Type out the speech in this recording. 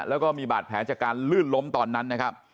แล้วก็มีบาดแผลจากการลื่นล้มตอนนั้นนะครับ